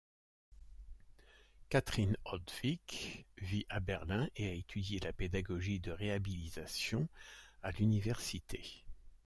Katrin HoltWick vit à Berlin et a étudié la pédagogie de réhabilitation à l'université.